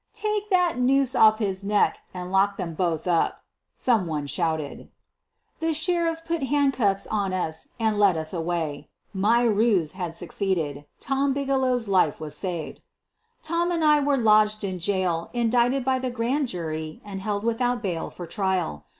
"Take that noose off his neck and lock them both up," some one shouted. The Sheriff put handcuffs on us and led us away. QUEEN OF THE BURGLARS 141 My ruse had succeeded. Tom Bigelow's life was saved ! Tom and I were lodged in jail, indicted by the Grand Jury and held without bail for trial.